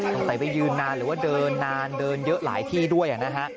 ต้องใส่ไปยืนนานหรือว่าเดินนานเดินเยอะหลายที่ด้วย